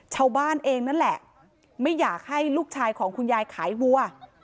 ชาวบ้านเองนั่นแหละไม่อยากให้ลูกชายของคุณยายขายวัว